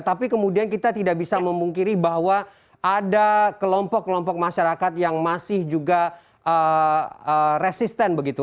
tapi kemudian kita tidak bisa memungkiri bahwa ada kelompok kelompok masyarakat yang masih juga resisten begitu